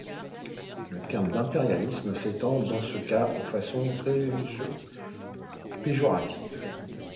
Le terme d'impérialisme s'entend dans ce cas de façon péjorative.